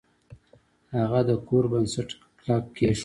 هغه د کور بنسټ کلک کیښود.